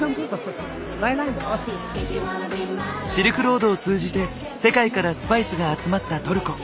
シルクロードを通じて世界からスパイスが集まったトルコ。